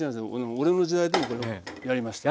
俺の時代でもやりましたよ。